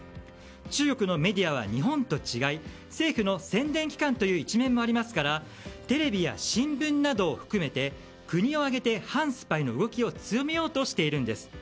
中国のメディアは日本と違い政府の宣伝機関という一面もありますからテレビや新聞などを含めて国を挙げて反スパイの動きを強めようとしているんです。